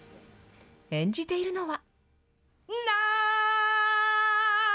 演じているのは。